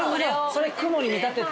それ雲に見立てて。